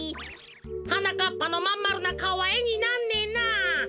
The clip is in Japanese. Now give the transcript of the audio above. はなかっぱのまんまるなかおはえになんねえな。